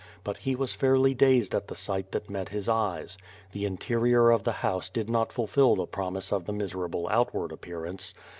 But he was fairly dazed at the sight that met his eyes. The interior of the house did not fulfil the promise of the miserable outward appearance.